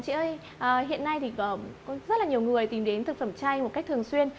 chị ơi hiện nay thì có rất là nhiều người tìm đến thực phẩm chay một cách thường xuyên